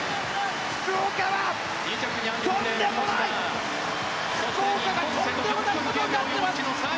福岡はとんでもない福岡がとんでもないことになってます！